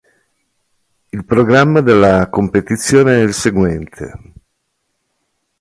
Il programma della competizione è il seguente.